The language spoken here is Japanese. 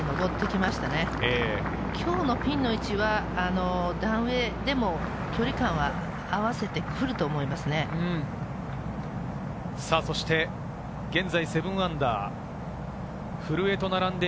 今日のピンの位置は段上でも距離感は合わせてくると思うんです。